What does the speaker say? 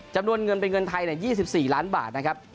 จำนวนเงินเป็นเงินไทย๒๔ล้านบาทนะครับ